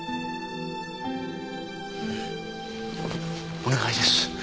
お願いです。